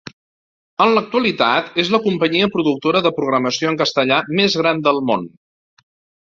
En l'actualitat és la companyia productora de programació en castellà més gran del món.